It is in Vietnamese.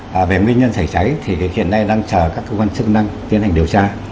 và về nguyên nhân xảy cháy thì hiện nay đang chờ các cơ quan chức năng tiến hành điều tra